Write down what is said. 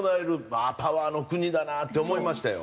ああパワーの国だなって思いましたよ。